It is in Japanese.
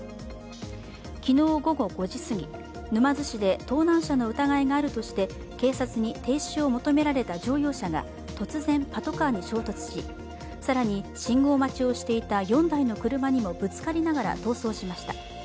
昨日午後５時すぎ、沼津市で盗難車の疑いがあるとして警察に停止を求められた乗用車が突然、パトカーに衝突し更に信号待ちをしていた４台の車にもぶつかりながら逃走しました。